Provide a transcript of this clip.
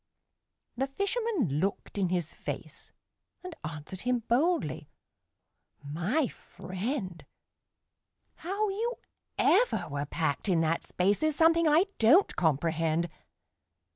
The fisherman looked in his face, And answered him boldly: "My friend, How you ever were packed in that space Is something I don't comprehend.